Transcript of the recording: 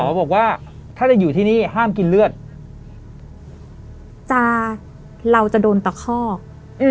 บอกว่าถ้าจะอยู่ที่นี่ห้ามกินเลือดจะเราจะโดนตะคอก